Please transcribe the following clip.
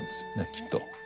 きっと。